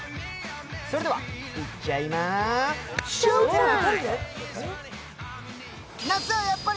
それでは行っちゃいまＳＨＯＷＴＩＭＥ！。